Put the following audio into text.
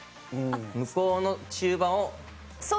向こうの中盤を？